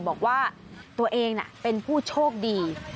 บอกว่าตัวเองเป็นผู้โชคดี